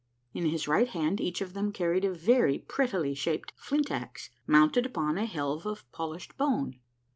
In his right hand each of them carried a very prettily shaped flint axe, mounted upon a helve of polished bone.